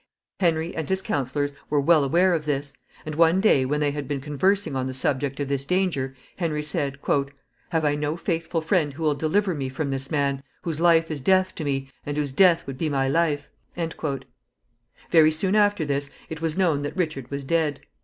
Henry and his counselors were well aware of this; and one day, when they had been conversing on the subject of this danger, Henry said, "Have I no faithful friend who will deliver me from this man, whose life is death to me, and whose death would be my life?" Very soon after this, it was known that Richard was dead.